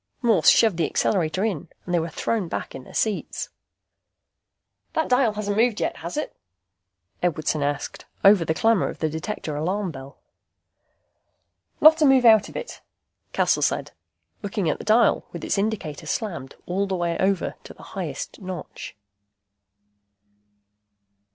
Morse shoved the accelerator in and they were thrown back in their seats. "That dial hasn't moved yet, has it?" Edwardson asked, over the clamor of the Detector alarm bell. "Not a move out of it," Cassel said, looking at the dial with its indicator slammed all the way over to the highest notch.